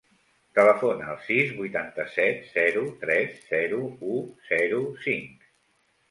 Telefona al sis, vuitanta-set, zero, tres, zero, u, zero, cinc.